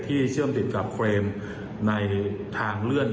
เชื่อมติดกับเครมในทางเลื่อน